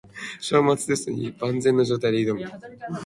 章末テストに万全の状態で挑む